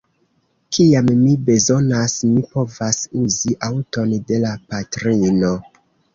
Kiam mi bezonas, mi povas uzi aŭton de la patrino.